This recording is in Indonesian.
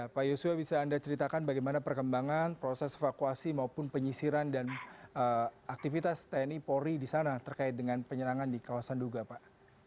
pak yosua bisa anda ceritakan bagaimana perkembangan proses evakuasi maupun penyisiran dan aktivitas tni polri di sana terkait dengan penyerangan di kawasan duga pak